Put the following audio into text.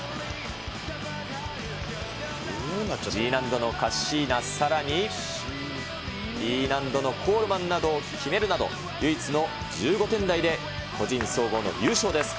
Ｇ難度のカッシーナ、さらにＥ難度のコールマンを決めるなど、唯一の１５点台で個人総合の優勝です。